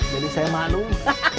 jadi saya maklum